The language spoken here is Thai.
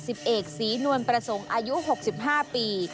สิบเอกศรีนวลประสงค์อายุ๖๕ปี